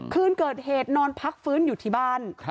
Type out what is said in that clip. คืนเกิดเหตุนอนพักฟื้นอยู่ที่บ้าน